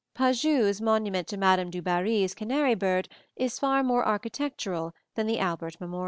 Pajou's monument to Madame du Barry's canary bird is far more architectural than the Albert Memorial.